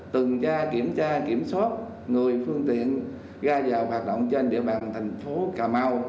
từng gia kiểm tra kiểm soát người phương tiện ra vào hoạt động trên địa bàn thành phố cà mau